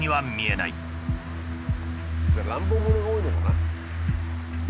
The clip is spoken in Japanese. じゃあ乱暴者が多いのかな。